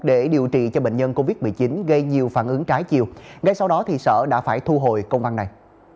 để điều trị cho bệnh nhân covid một mươi chín gây nhiều phản ứng trái chiều ngay sau đó sở đã phải thu hồi công an này